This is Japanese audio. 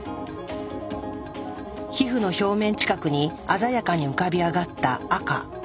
皮膚の表面近くに鮮やかに浮かび上がった赤。